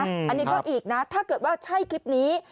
อันนี้ก็อีกนะถ้าเกิดว่าใช่คลิปนี้